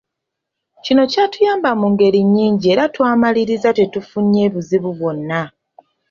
Kino kyatuyamba mu ngeri nyingi era twamaliriza tetufunye buzibu bwonna.